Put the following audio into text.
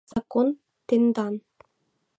— Закон тендан.